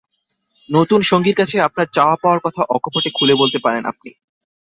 নতুন সঙ্গীর কাছে আপনার চাওয়া-পাওয়ার কথা অকপটে খুলে বলতে পারেন আপনি।